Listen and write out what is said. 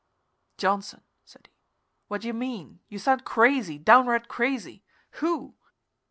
"Johnson," said he, "what do you mean? You sound crazy downright crazy. Who?"